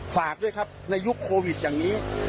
ฝากด้วยครับในยุคโควิดอย่างนี้